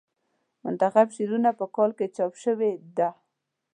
منتخب شعرونه په کال کې چاپ شوې ده.